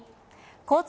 交通